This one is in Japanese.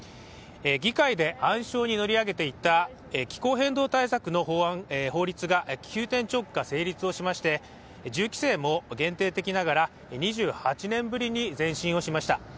議会で暗礁に乗り上げていた気候変動対策の法律が急転直下、成立をしまして、銃規制も限定的ながら２８年ぶりに前進をしました。